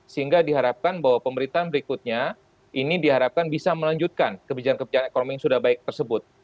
sehingga diharapkan bahwa pemerintahan berikutnya ini diharapkan bisa melanjutkan kebijakan kebijakan ekonomi yang sudah baik tersebut